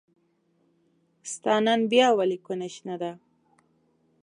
ستا نن بيا ولې کونه شنه ده